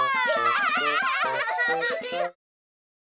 ハハハハハ！